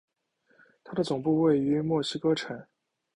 它的总部位于墨西哥城。